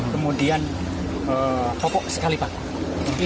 kemudian pokok sekali pakai